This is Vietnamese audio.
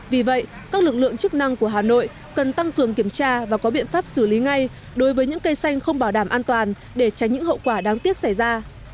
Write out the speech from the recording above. vì vậy các lực lượng chức năng của hà nội cần tăng cường kiểm tra và có biện pháp xử lý ngay đối với những cây xanh không bảo đảm an toàn để tránh những hậu quả đáng tiếc xảy ra